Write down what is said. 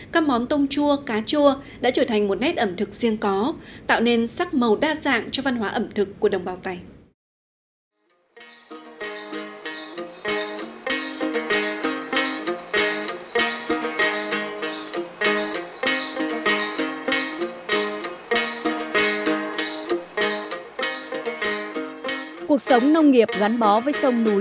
các món tôm chua cá chua đã trở thành một nét ẩm thực riêng có tạo nên sắc màu đa dạng cho văn hóa ẩm thực của đồng bào tài